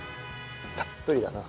たっぷりだな。